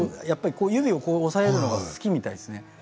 指を押さえるのが好きみたいですね。